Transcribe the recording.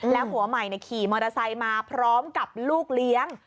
แล้วผัวใหม่ขี่มอเตอร์ไซค์มาพร้อมกับลูกเลี้ยง